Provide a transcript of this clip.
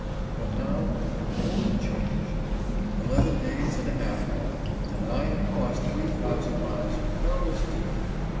But now behold the change ! Eleven days and a half gone, and I have crossed three thonsand miles of perilous deep.